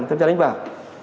tham gia đánh bạc